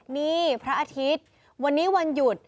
นี่พระอาทิตย์วันนี้วันหยุด